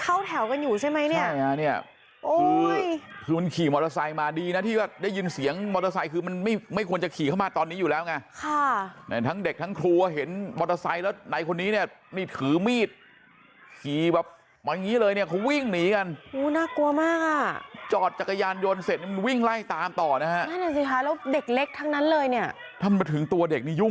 เกิดขึ้นที่สุดท้ายเกิดขึ้นที่สุดท้ายเกิดขึ้นที่สุดท้ายเกิดขึ้นที่สุดท้ายเกิดขึ้นที่สุดท้ายเกิดขึ้นที่สุดท้ายเกิดขึ้นที่สุดท้ายเกิดขึ้นที่สุดท้ายเกิดขึ้นที่สุดท้ายเกิดขึ้นที่สุดท้ายเกิดขึ้นที่สุดท้ายเกิดขึ้นที่สุดท้ายเกิดขึ้นที่สุดท้ายเกิดขึ้นที่สุด